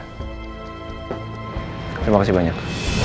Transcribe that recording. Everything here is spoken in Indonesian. terima kasih banyak